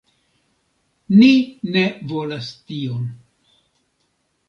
Ni ne volas tion.